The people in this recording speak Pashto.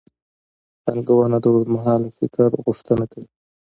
پانګونه د اوږدمهال فکر غوښتنه کوي.